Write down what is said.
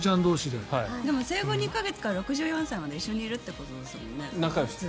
生後２か月から６４歳まで一緒にいるということですもんね。